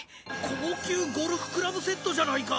高級ゴルフクラブセットじゃないか！